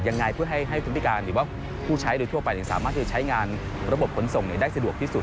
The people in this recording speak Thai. ยังไงเพื่อให้ผู้พิการหรือว่าผู้ใช้โดยทั่วไปสามารถที่จะใช้งานระบบขนส่งได้สะดวกที่สุด